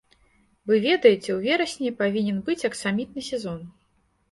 Вы ведаеце, у верасні павінен быць аксамітны сезон.